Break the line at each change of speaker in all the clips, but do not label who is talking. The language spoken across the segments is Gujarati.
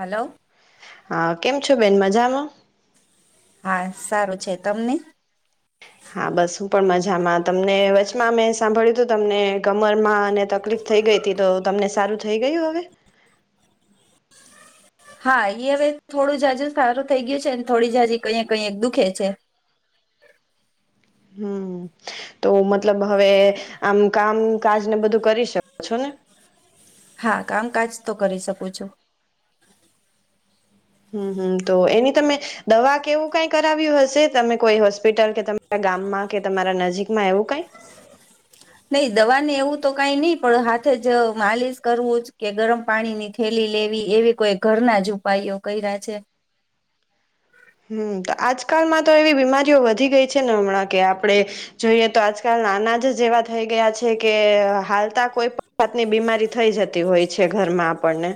હલો
હા કેમ છો બેન, મજામાં?
હા સારું છે. તમને?
હા, બસ હું પણ મજામાં. તમને વચમાં મેં સાંભળ્યું તું તમને કમરમાં અને તકલીફ થઈ ગઈ તી, તો તમને સારું થઈ ગયું હવે?
હા, ઈ હવે થોડું જાજુ સારું થઈ ગયું છે ન થોડી જાજી કંયેક કંયેક દુખે છે.
હમ્મ, તો મતલબ હવે આમ કામકાજને બધું કરી શકો છો ને?
હા, કામકાજ તો કરી શકું છું.
હમ્મ, હમ્મ, તો એની તમે દવા કે એવું કાય કરાવ્યું હશે તમે કોઈ હોસ્પિટલ કે તમારા ગામમાં કે તમારા નજીકમાં એવું કાંઈ?
નય, દવા ને એવું તો કાઈ નય પણ હાથે જ માલિશ કરવું જ કે ગરમ પાણીની થેલી લેવી એવી કોઈ ઘરના જ ઉપાયો કયરા છે.
કાલમાં તો એવી બીમારીઓ વધી ગઈ છે ને હમણાં કે આપળે જોઈએ તો આજકાલના અનાજ જ એવા થઈ ગયા છે કે હાલતા કોઈ પણ જાતની બીમારી થઈ જતી હોય છે ઘરમાં આપણને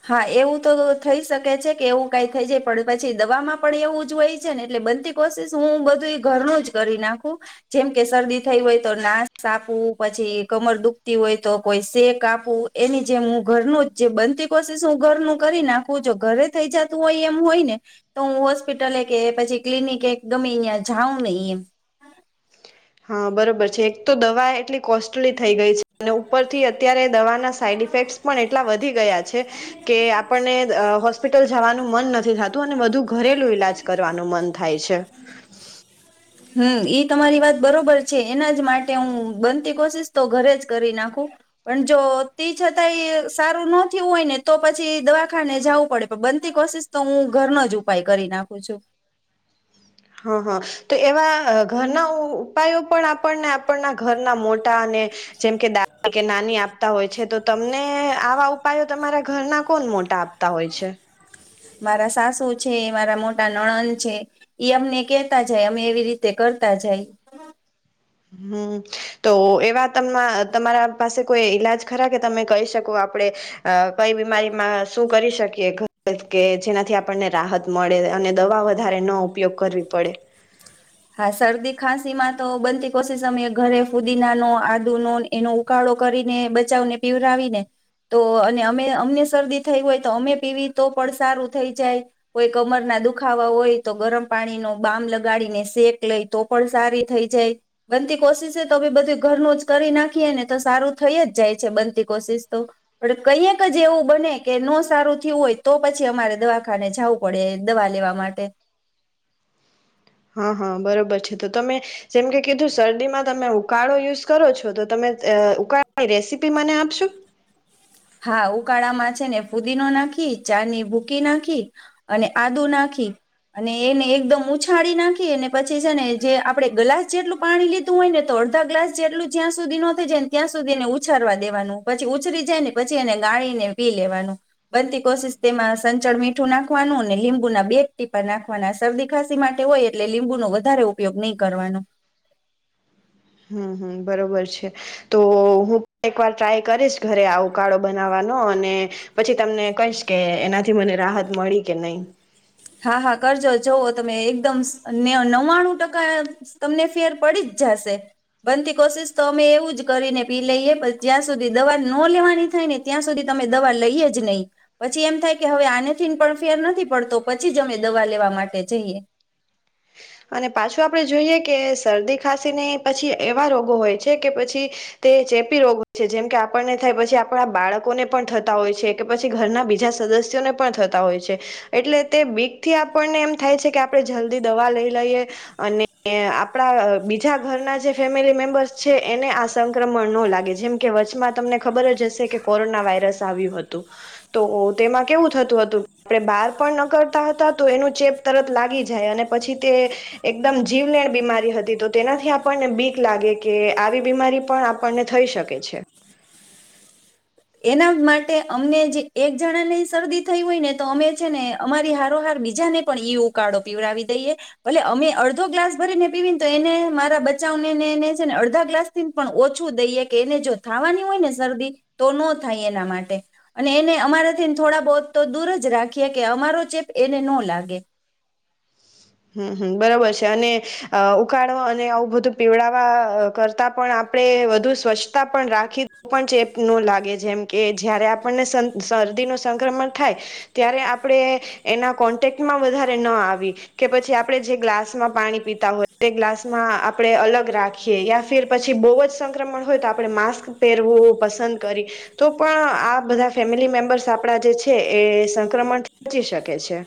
હા, એવું તો થઈ શકે છે કે એવું કાય થઈ જાય. પણ પછી દવામાં પણ એવું જ હોય છે ને એટલે બનતી કોશિશ હું બધુય ઘરનું જ કરી નાખું. જેમ કે શરદી થઈ હોય તો નાશ આપવું, પછી કમર દુખતી હોય તો કોઈ સે ક આપવું. એની જેમ હું ઘરનું જ જે બનતી કોશિશ હું ઘરનું કરી નાખું. જો ઘરે થઈ જાતું હોય એમ હોય ને, તો હું હોસ્પિટલે કે પછી ક્લિનિકે ગમે ન્યાં જાઉં નય એમ.
હા, બરોબર છે. એક તો દવાએ કોસ્ટલી થઈ ગઈ છે અને ઉપરથી અત્યારે દવાના સાઈડ ઇફેક્ટ્સ પણ એટલા વધી ગયા છે કે આપણને દ્ અ હોસ્ પિટલ જવાનું મન નથી થાતું અને વધુ ઘરેલું ઈલાજ કરવાનું મન થાય છે.
હમ્મ, ઈ તમારી વાત બરોબર છે. એના જ માટે હું બનતી કોશિશ તો ઘરે જ કરી નાખું. પણ જો તી છતાય સારું નો થ્યું હોય ને તો પછી દવાખાને જાવું પડે. પણ બનતી કોશિશ તો હું ઘરનો જ ઉપાય કરી નાખું છું.
હં, હં, તો એવા અ ઘરના ઉપાયો પણ આપણને આપણના ઘરના મોટા અને જેમ કે દાદી કે નાની આપ તા હોય છે. તો તમને આવા ઉપાયો તમારા ઘરના કોન મોટા આપતા હોય છે?
મારા સાસુ છે, મારા મોટા નણન્દ છે. ઈ અમને કેતા જાય અમે એવી રીતે કરતા જાય.
હમ્મ, તો એવા તમા તમારા પાસે કોઈ ઈલાજ ખરા કે તમે કય શકો આપળે અ કઈ બીમારીમાં શું કરી શકીએ ઘરે જ કે જેનાથી આપણને રાહત મળે અને દવા વધારે ન ઉપયોગ કરવી પડે?
હા, શરદી ખાંસીમાં તો બનતી કોશિશ અમે ઘરે ફુદીનાનો આદુનો ને એનો ઉકાળો કરીને બચાવને પીવડાવી ને તો અને અમે અમને શરદી થઈ હોય તો અમે પીવી તો પણ સારું થઈ જાય. કોઈ કમરના દુખાવા હોય તો ગરમ પાણી નો બામ લગાડીને શેક લઈ તો પણ સારી થઈ જાય બનતી કોશિશ તો બી બધું ઘરનું જ કરી નાખીએ ને તો સારું થઈ જ જાય છે બનતી કોશિશ, તો પણ કઈક જ એવું બને કે ન સારું થયું હોય તો પછી અમારે દવાખાને જવું પડે દવા લેવા માટે.
હા હા બરોબર છે તો તમે જેમ કે કીધું શરદીમાં તમે ઉકાળો યુઝ કરો છો, તો તમે ઉકાળાની રેસીપી મને આપશો
હા ઉકાળામાં છે ને, ફુદીનો નાખી ચાની ભૂકી નાખી અને આદુ નાખી અને એને એકદમ ઉછાડી નાખી અને પછી છે ને જે આપડે ગ્લાસ જેટલું પાણી લીધું હોય ને તો અડધા ગ્લાસ જેટલું જ્યાં સુધી ન થઈ જાય ને ત્યાં સુધીને ઉછાવા દેવાનું પછી ઉછરી જાય ને પચી અને ગાળીને પી લેવાનું. બનતી કોશિશ તેમાં સંચળ મીઠું નાખવાનું અને લીંબુના બે ટીપા નાખવાના શરદી ખાંસી માટે હોય એટલે લીંબુનો વધારે ઉપયોગ નહી કરવાનો.
હમ્મ હમ્મ બરોબર છે તો હું એકવાર ટ્રાય કરીશ ઘરે આવ ઉકાળો બનાવવાનો અને પછી તમને કહીશ કે એનાથી મને રાહત મળી કે નહી.
હા હા કરજો જવ તમે એકદમને નવ્વાણું ટકા તમને ફેર પડી જ જશે, બનતી કોશિશ તો અમે એવું જ કરીને પી લઈએ પણ જ્યાં સુધી દવા ન લેવાની થાય ને ત્યાં સુધી તમે દવા લઈએ જ નહી પછી એમ થાય કે હવે આનેથીન પણ ફેર નથી પડતો. પછી જ અમે દવા લેવા માટે જઈએ.
અને પાછું આપણે જોઈએ કે શરદી ખાંસીને પછી એવા રોગો હોય છે કે પછી તે ચેપી રોગ હોય છે, જેમ કે આપણને થાય પછી આપણા બાળકોને પણ થતા હોય છે કે પછી ઘરના બીજા સદસ્યોને પણ થતા હોય છે, એટલે તે બીક થી આપણને એમ થાય છે કે આપણે જલ્દી દવા લઈ. લઈએ અને આપણા બીજા ઘરના જે ફેમિલી મેમ્બર્સ છે એને આ સંક્રમણ ન લાગે, જેમ કે વચચમાં તમને ખબર જ હશે કે કોરોના વાયરસ આવ્યું હતું, તો તેમાં કેવું થતું હતું આપણે બહાર પણ ન કરતા હતા તો એનું ચેપ તરત લાગી જાય અને પછી. તે એકદમ જીવલેણ બીમારી હતી તો તેનાથી આપણને બીક લાગે કે આવી બીમારી પણ આપણને થઈ શકે છે.
એના માટે અમને જે એક જણા ને શરદી થઈ હોય ને તો અમે છે, ને અમારી હારોહાર બીજાને પણ ઈ ઉકાળો પીવડાવી દઈએ ભલે અમે અડધો ગ્લાસ ભરીને પીવીને તો એને મારા બચાવનેને છે ને અડધા ગ્લાસ થી પણ ઓછું દઈએ, કે એને જો થાવાની હોય ને શરદી. તો ન થાય એના માટે અને એને અમારાથી થોડા બહુ તો દૂર જ રાખીએ કે અમારો ચેપ એને ન લાગે.
હમ્મ હમ્મ બરોબર છે અને ઉકાળવા અને આવું બધું પીવડાવવા કરતા પણ આપડે વધુ સ્વચ્છતા પણ રાખ. ખી પણ ચેપ નો લાગે છે. જેમકે જયારે આપણને શરદીનું સંક્રમણ થાય ત્યારે આપણે એના કોન્ટેક્ટમાં વધારે ન આવી. કે પછી આપણે જે ગ્લાસમાં પાણી પીતા હોય તે ગ્લાસમાં આપણેે અલગ રાખીએ, યા ફિર પછી બહુ જ સંક્રમણ હોય તો આપણે માસ્ક પહેરવું પસંદ કરીએ તો પણ આ બધા ફેમિલી મેમ્બર્સ આપણા જે છે એ સંક્રમણ બચી શકે છે.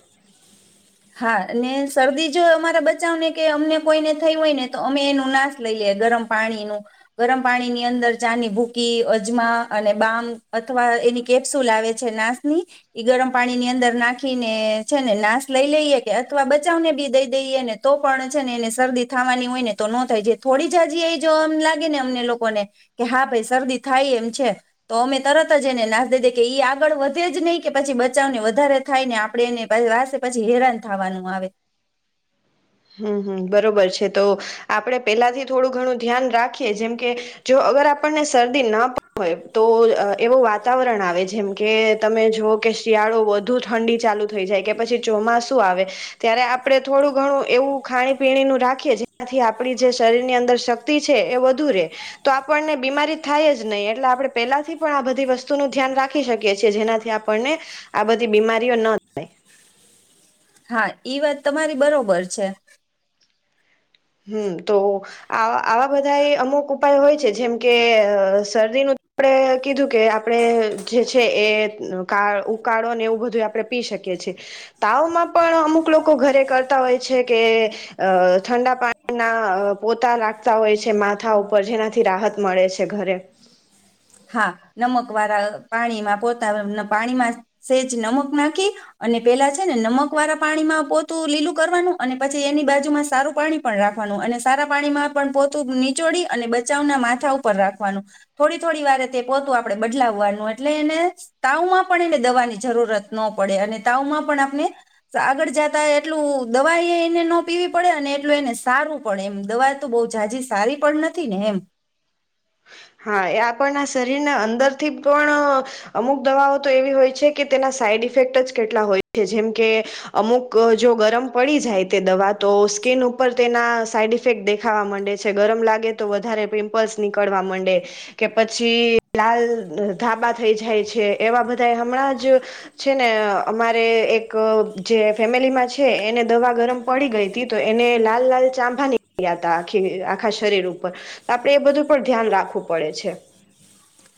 હા ને શરદી જો અમારા બચાવને કે અમને કોઈને થઈ હોય ને તો અમે એનું નાશ લઈ લઈએ ગરમ પાણીનું, ગરમ પાણીની અંદર ચાની ભૂકી, અજમા અને બામ અથવા એની કેપ્સુલ આવે છે નાશની એ ગરમ પાણીની અંદર નાખીને છે ને નાશ. લઈ લઈએ કે અથવા બચાવ ને બી દઈ દઈએ ને તો પણ છે ને એને શરદી થાવાની હોય ને તો નો થાય, જે જાય થોડી જ જ્યા એ જો એમ લાગે ને અમને લોકોને કે હા ભાઈ શરદી થાય એમ છે, તો અમે તરત જ એને નાશ દઈ દઈએ કે એ આગળ વધે જ નહીં કે પછી બચાવને વધારે થાય ને આપણે એને ભઈ પછી હેરાન થવાનું આવે.
હમ્મ હમ્મ બરોબર છે તો આપણે પેલાથી થોડું ઘણું ધ્યાન રાખીએ જેમ કે, જો અગર આપણને શરદી ના હોય તો એવું વાતાવરણ આવે જેમકે તમે જો કે શિયાળો વધુ ઠંડી ચાલુ થઈ જાય કે પછી ચોમાસું આવે ત્યારે આપણે થોડું ઘણું. એવું ખાણી પીણીનું રાખીએ જેનાથી આપણી જે શરીર ની અંદર શક્તિ છે એ વધુ રહે, તો આપણને બીમારી થાય જ નહી એટલે આપણે પેલાથી પણ આ બધી વસ્તુનું ધ્યાન રાખી શકીએ છીએ, જેનાથી આપણને આ બધી બીમારીઓ ન થાય.
હા ઈ વાત તમારી બરોબર છે.
હમ્મ તો આ આવા બધા એ અમુક ઉપાય હોય. છે જેમ કે અ શરદીનું આપણે કીધું કે આપણે જે છે, એ કા ઉકાળો ને એવું બધું આપણે પી શકીએ છીએ. તાવમાં પણ અમુક લોકો ઘરે કરતા હોય છે કે ઠંડા પાણી ના પોતા લખતા હોય છે. માથા ઉપર જેનાથી રાહત મળે છે, ઘરે
હા નમક વાળા પાણીમાં પોતા પાણીમાં સેજ નમક નાખી અને પેલા છે, ને નમક વાળા પાણીમાં પોતું લીલું કરવાનું અને પછી એની બાજુમાં સારું પાણી પણ રાખવાનું અને સારા પાણીમાં પણ પોતું નીચોડી અને બચાવના માથા ઉપર રાખવાનું થોડી થોડી વારે તે પોતું આપણે બદલાવવાનું એટલે એને તાવમાં પણ એને દવાની જરૂરત ન પડે અને તાવમાં પણ આપણે આગળ જતા એટલું દવા એને ન પીવી પડે અને એટલું એને સારું પડે એમ દવા તો બહુ જાાજી સારી પણ નથી ને એમ
હા, એ આપણના શરીરના અંદરથી પણ અમુક દવાઓ તો એવી હોય છે, કે તેના સાઈડ ઇફેક્ટ જ કેટલા હોય છે. જેમ કે અમુક જો ગરમ પડી જાય તે દવા તો સ્કીિન ઉપર તેના સાઈડ ઇફેક્ટ દેખાવા માંડે છે. ગરમ લાગે તો વધારે પિમ્પલ્સ નીકળવા માંડે છે. કે પછી લાલ ધાબા થઈ જાય છે. એવા બધા હમણાં જ છે, ને અમારે એક જે ફેમિલીમાં છે, એને દવા ગરમ પડી ગઈ હતી તો એને લાલ લાલ ચાંબા નીકળ્યા ત આખી આખા શરીર ઉપર આપડે એ બધું પર ધ્યાન રાખું પડે છે.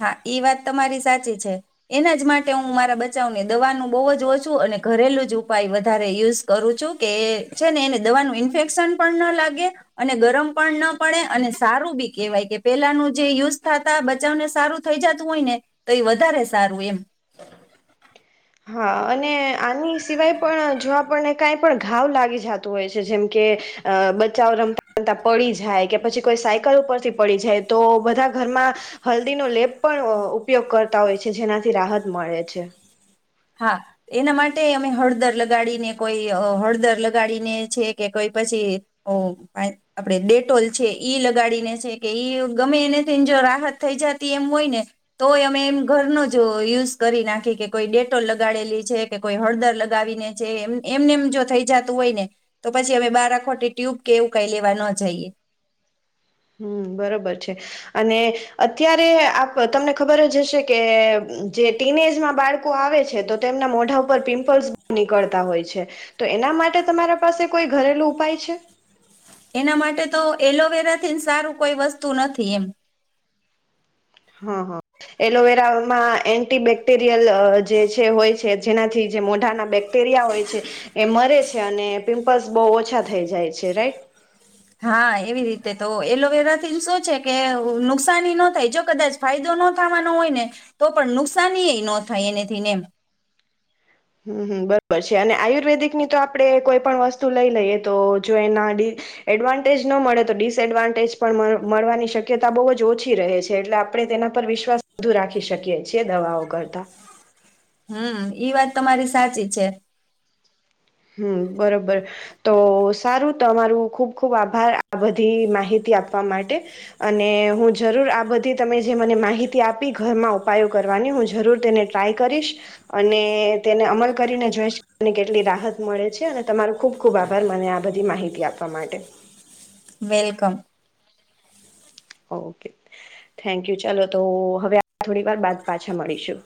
હા વાત તમારી સાચી છે એના જ માટે હું મારા બચાવને દવાનું બહુ જ ઓછું અને ઘરેલું જ ઉપાય વધારે યુઝ કરું છું કે છે, ને એને દવાનું ઇન્ફેક્શન પણ ના લાગે અને ગરમ પણ ન પડે અને સારું બી કેહેવાય કે પેલાનું જે યુઝ થતા બચાવને સારું થઈ જતું હોય ને તો એ વધારે સારું એમ
હા, અને આની સિવાય પણ જો આપણને કાંઈ પણ ઘાવ લાગી જતું હોય છે. જેમ કે બ બચાવો રમતા રમતા પડી જાય. જાય કે પછી કોઈ સાયકલ ઉપરથી પડી જાય. તો બધા ઘરમાં હલ્દીનો લેપ પણ ઉપયોગ કરતા હોય છે, જેનાથી રાહત મળે છે.
હા એના માટે અમે હળદર લગાડીને કોઈ હળદર લગાડીને છે, કે કોઈ પછી આપણે ડેટોલ છે, ઈ લગાડીને છે, કે ઈ ગમે એનેથી જો રાહત થઈ જતી એમ હોય ને તોય અમે એમ ઘરનો જ યુઝ કરી નાખી કે કોઈ ડે લગાડેલી છે, કે કોઈ હળદર લગાવીને છે, એમને એમ જો થઈ જતું હોય ને તો પછી અમે બાર ખોટી ટ્યુબ કે એવું કઈ લેવા ન જઈએ.
હમ, બરોબર છે. અને અત્યારે આપ તમને ખબર જ હશે કે જે ટીન એજમાં બાળકો આવે છે, તો તેમના મોઢા ઉપર પિમ્પલ્સ નીકળતા હોય છે, તો એના માટે તમારા પાસે કોઈ ઘરેલું ઉપાય છે?
એના માટે તો એલોવેરાથી સારું કોઈ વસ્તુ નથી એમ.
હા હા એલોવેરામાં એન્ટી બેક્ટેરિયલ જે છે હોય છે. જેનાથી જે મોઢાના બેક્ટેરિયા હોય છે એ મરે છે, અને પિમ્પલ્સ બહુ ઓછા થઈ જાય છે. રાઈટ
હા એવી રીતે તો એલોવેરા થી શું છે, કે નુકસાની ન થાય જો કદાચ ફાયદો ન થવાનો હોય ને તો પણ નુકસાની એ ન થાય એનેથીને એમ
હમ બરોબર છે અને આયુર્વેદિકની તો આપણેે કોઈ પણ વસ્તુ લઈ લઈએ તો જો એના એડવાન્ટેજ ન મળે તો ડિસએડવાન્ટેજ પણ મળવાની શક્યતા બહુ જ ઓછી રહે છે, એટલે આપણે તેના પર વિશ્વાસ વધુ રાખી શકીએ છી દવાઓ કરતા
હમ, ઈ વાત તમારી સાચી છે.
હમ, બરોબર તો સારું તમારું ખુબ ખુબ આભાર આ બધી માહિતી આપવા માટે, અને હું જરૂર આ બધી તમે જે મને માહિતી આપી ઘરમાં ઉપાયો કરવાની, હું જરૂર તેને ટ્રાય કરીશ અને તેને અમલ કરીને જોઈશ કેટલી રાહત મળે છે, અને તમારો ખુબ ખુબ આભાર મને આ બધી માહિતી આપવા માટે.
વેલકમ!
ઓકે! Thank you. ચાલો તો હવે થોડી વાર બાદ પાછા મળીશું.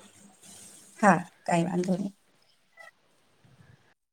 હા, કઈ વાંધો નહી.